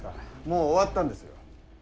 もう終わったんですよ。